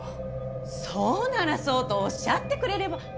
そうならそうとおっしゃってくれれば。